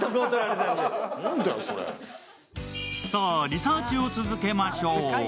リサーチを続けましょう。